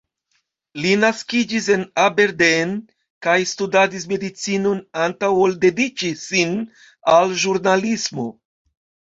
Li naskiĝis en Aberdeen, kaj studadis medicinon antaŭ ol dediĉi sin al ĵurnalismo.